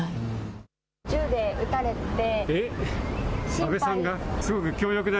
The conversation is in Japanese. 銃で撃たれて。